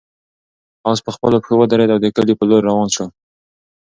آس په خپلو پښو ودرېد او د کلي په لور روان شو.